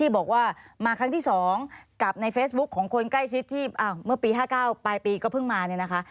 บอกว่ามาครั้งที่๒กับในเฟซบุ๊คของคนใกล้ชิดที่เมื่อปี๕๙ปลายปีก็เพิ่งมาเนี่ยนะคะ